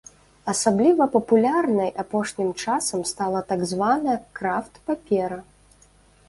Асабліва папулярнай апошнім часам стала так званая крафт-папера.